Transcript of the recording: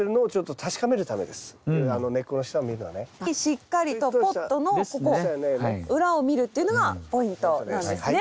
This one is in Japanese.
しっかりとポットのここ裏を見るっていうのがポイントなんですね。